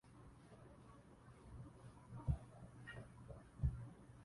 প্রথমে Al Jazeera ইংরেজি channel তৈরি এবং তারপর কারেন্ট টিভি কেনার মাধ্যমে।